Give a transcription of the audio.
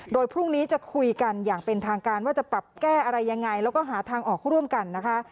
โดยพรุ่งนี้จะคุยกันอย่างเป็นทางการว่าจะปรับแก้อะไรยังไงแล้วก็หาทางออกร่วมกันนะคะ